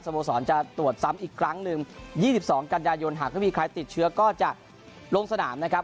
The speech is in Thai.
โมสรจะตรวจซ้ำอีกครั้งหนึ่ง๒๒กันยายนหากไม่มีใครติดเชื้อก็จะลงสนามนะครับ